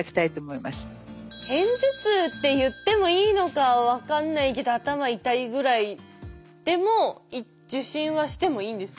片頭痛って言ってもいいのか分かんないけど頭痛いぐらいでも受診はしてもいいんですか？